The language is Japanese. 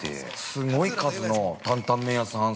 すごい数の坦々麺屋さんがある。